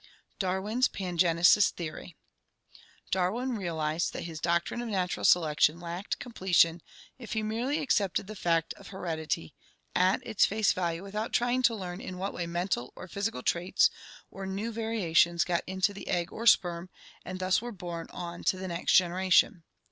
Darwin's Pangenesis Theory. — Darwin realized that his doc trine of natural selection lacked completion if he merely accepted the fact of heredity at its face value without trying to learn in what way mental or physical traits or new variations got into the egg or sperm and thus were borne on to the next generation.